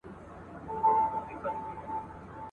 د اراكويي قبيلې یا تو کم په اړه وکړله